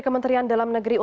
kementerian dalam negeri